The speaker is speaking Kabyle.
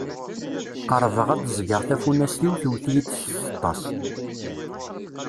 Qerbeɣ ad d-ẓgeɣ tafunast-iw tewwet-iyi-d s tseṭṭa-s.